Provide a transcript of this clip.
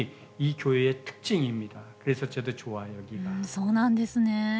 そうなんですね。